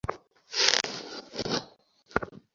বিবেকানন্দ যেন দেবদত্ত বাগ্মিতার অধিকার লইয়া জন্মিয়াছেন।